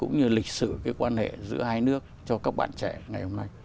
giữ cái quan hệ giữa hai nước cho các bạn trẻ ngày hôm nay